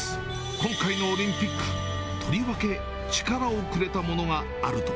今回のオリンピック、とりわけ力をくれたものがあると。